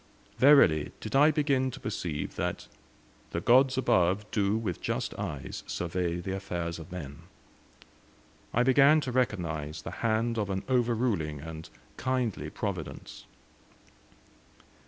Verily did I begin to perceive that "the Gods above do with just eyes survey the affairs of men." I began to recognize the hand of an overruling and kindly Providence.